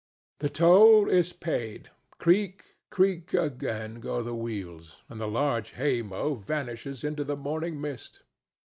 The toll is paid; creak, creak, again go the wheels, and the huge hay mow vanishes into the morning mist.